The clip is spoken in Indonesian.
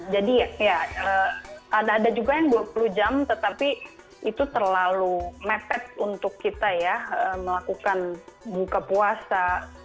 jadi ya ada juga yang dua puluh jam tetapi itu terlalu mepet untuk kita ya melakukan buka puasa